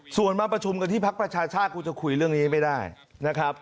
ส่วนมาประชุมกันที่พักประชาชาติกูจะคุยเรื่องนี้ไม่ได้นะครับ